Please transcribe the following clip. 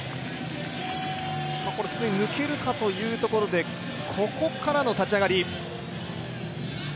普通に抜けるかというところでここからの立ち上がり。